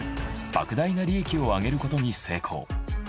莫大な利益をあげることに成功。